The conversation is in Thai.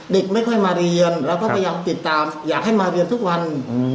เด็กไม่ค่อยมาเรียนเราก็พยายามติดตามอยากให้มาเรียนทุกวัน